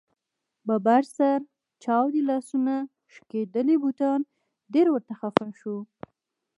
ببر سر، چاودې لاسونه ، شکېدلي بوټان ډېر ورته خفه شو.